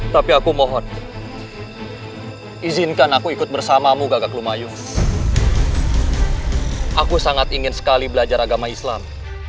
tapi aku mohon izinkan aku ikut bersamamu gagak lumayu aku sangat ingin sekali belajar agama islam